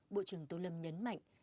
bộ trưởng tô lâm nhấn mạnh